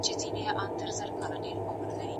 ښوونکي په انټرنیټ کې درسي مواد شریکوي.